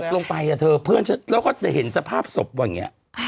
แล้วก็จะเห็นสภาพศพแบบนี้